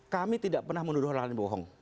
kami tidak pernah menuduh orang lain bohong